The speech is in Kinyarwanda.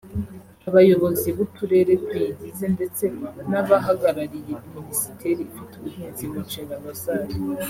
abayobozi b’uturere tuyigize ndetse n’abahagarariye Minisiteri ifite ubuhinzi mu nshingano zayo